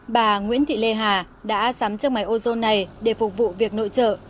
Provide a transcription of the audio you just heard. bà nguyễn thị lê hà đã sắm chiếc máy ozone này để phục vụ việc nội trợ